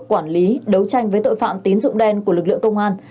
quản lý đấu tranh với tội phạm tín dụng đen của lực lượng công an